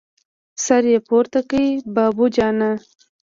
سر يې پورته کړ: بابو جانه!